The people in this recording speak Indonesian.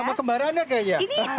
sama kemarahannya kayaknya